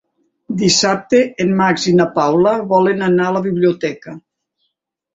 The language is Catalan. Dissabte en Max i na Paula volen anar a la biblioteca.